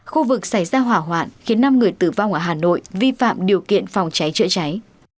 khu vực xảy ra hỏa hoạn khiến năm người tử vong ở hà nội vi phạm điều kiện phòng cháy chữa cháy